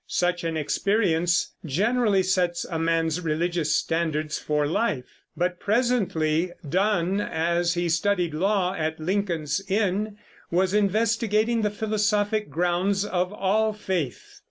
Such an experience generally sets a man's religious standards for life; but presently Donne, as he studied law at Lincoln's Inn, was investigating the philosophic grounds of all faith.